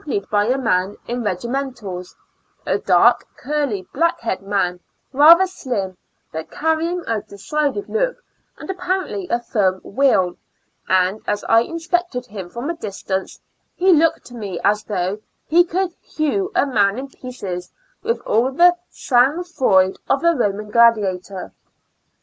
J g 3 iiiecl by a man in regimentals; a dark, curly black baired man, ratber slim, but carrying a decided look and apparently a firm will, and, as I inspected bim from a distance, be looked to me, as tbougb be could bew a man in pieces witb all tbe sang froid of a Eoman gladiator.